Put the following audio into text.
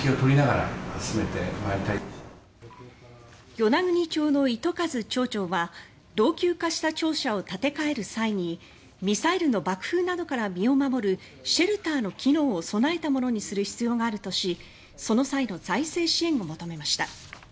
与那国町の糸数町長は老朽化した庁舎を建て替える際にミサイルの爆風などから身を守るシェルターの機能を備えたものにする必要があるとしその際の財政支援を求めました。